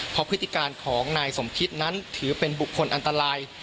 เพราะพฤติการของนายสมคิดนั้นถือเป็นบุคคลอันตราย